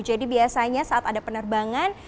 jadi biasanya saat ada penerbangan